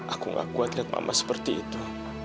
aku gak kuat lihat mama seperti itu